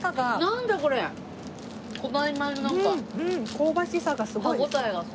香ばしさがすごいです。